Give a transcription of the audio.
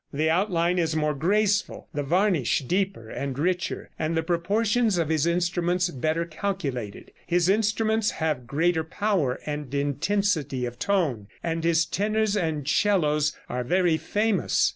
The outline is more graceful, the varnish deeper and richer, and the proportions of his instruments better calculated. His instruments have greater power and intensity of tone, and his tenors and 'cellos are very famous.